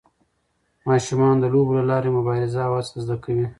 ماشومان د لوبو له لارې مبارزه او هڅه زده کوي.